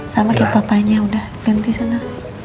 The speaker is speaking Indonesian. saya pake papanya udah ganti sana